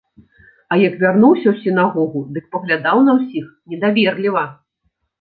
А як вярнуўся ў сінагогу, дык паглядаў на ўсіх недаверліва.